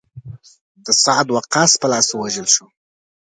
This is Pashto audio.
د سعد وقاص په لاس ووژل شو.